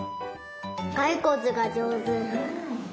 がいこつがじょうず。